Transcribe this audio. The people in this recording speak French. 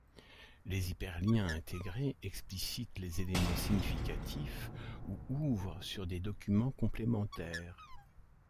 Les hyperliens intégrés explicitent les éléments significatifs ou ouvrent sur des documents complémentaires.